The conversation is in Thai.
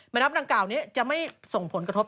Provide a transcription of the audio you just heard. น้ำดังกล่าวนี้จะไม่ส่งผลกระทบ